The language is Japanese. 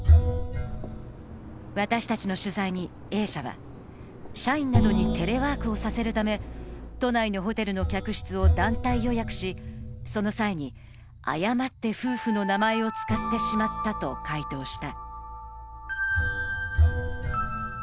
私たちの取材にＡ社は、社員などにテレワークをさせるため都内のホテルの客室を団体予約し、その際に誤って夫婦の名前を使ってしまったと回答した。